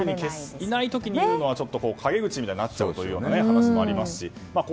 いない時に言うのは陰口みたいになっちゃうような話もありますし。